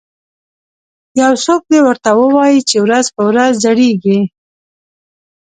یو څوک دې ورته ووایي چې ورځ په ورځ زړیږي